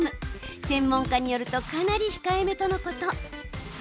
専門家によるとかなり控えめとのこと。